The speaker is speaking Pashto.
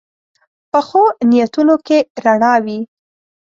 پخو نیتونو کې رڼا وي